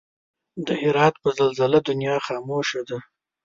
د هرات په زلزله دنيا خاموش ده